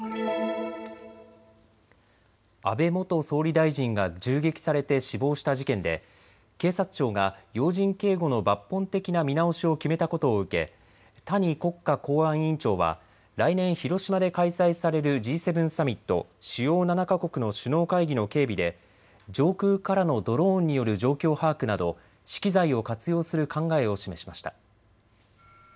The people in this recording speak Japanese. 安倍元総理大臣が銃撃されて死亡した事件で警察庁が要人警護の抜本的な見直しを決めたことを受け谷国家公安委員長は来年、広島で開催されるＧ７サミット・主要７か国の首脳会議の警備で上空からのドローンによる状況把握など資機材を活用する考えを示しました。